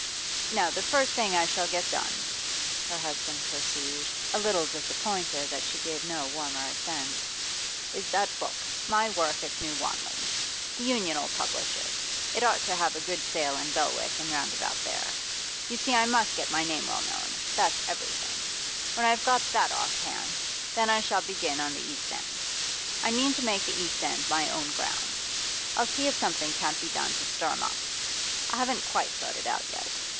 'Now the first thing I shall get done,' her husband pursued, a little disappointed that she gave no warmer assent, 'is that book, "My Work at New Wanley." The Union 'll publish it. It ought to have a good sale in Belwick and round about there. You see I must get my name well known; that's everything. When I've got that off hand, then I shall begin on the East End. I mean to make the East End my own ground. I'll see if something can't be done to stir 'em up. I haven't quite thought it out yet.